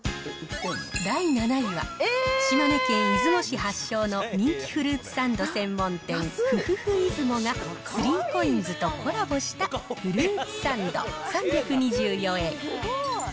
第７位は、島根県出雲市発祥の人気フルーツサンド専門店、フフフイズモが３コインズとコラボしたフルーツサンド３２４円。